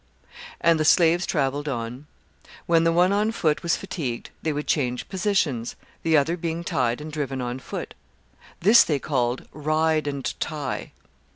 And the slaves travelled on. When the one on foot was fatigued they would change positions, the other being tied and driven on foot. This they called "ride and tie."